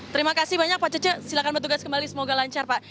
terima kasih banyak pak cece silahkan bertugas kembali semoga lancar pak